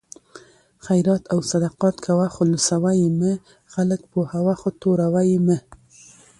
خیرات او صدقات کوه خو لوڅوه یې مه؛ خلک پوهوه خو توروه یې مه